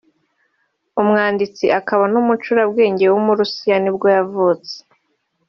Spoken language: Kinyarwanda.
umwanditsi akaba n’umucurabwenge w’umurusiya nibwo yavutse